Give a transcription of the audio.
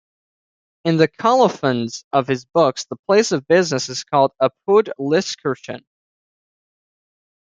In the colophons of his books the place of business is called "apud Lyskirchen".